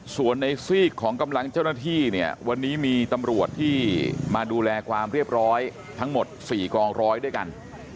ส่วนในซีกของกำลังเจ้าหน้าที่เนี่ยวันนี้มีตำรวจที่มาดูแลความเรียบร้อยทั้งหมด๔กองร้อยด้วยกัน